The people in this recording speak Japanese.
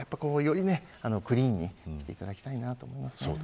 クリーンにしていただきたいなと思います。